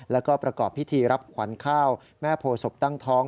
แล้วก็ประกอบพิธีรับขวัญข้าวแม่โพศพตั้งท้อง